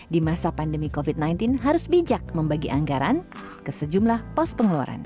di masa pandemi covid sembilan belas harus bijak membagi anggaran ke sejumlah pos pengeluaran